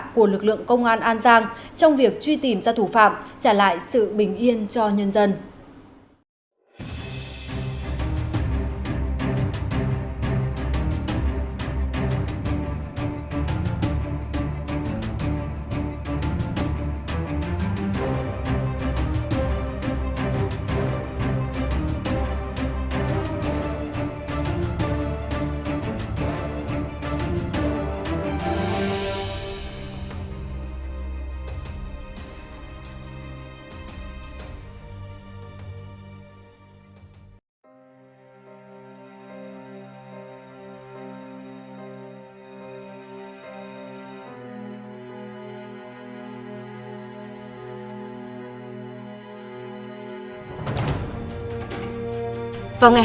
của lực lượng công an an giang trong việc truy tìm ra thủ phạm trả lại sự bình yên cho nhân dân